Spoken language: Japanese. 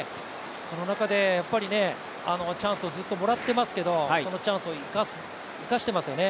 その中でチャンスをずっともらっていますけどそのチャンスを生かしていますよね。